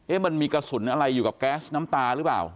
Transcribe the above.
มันมีกระสุนอะไรอยู่กับแก๊สน้ำตาหรือเปล่า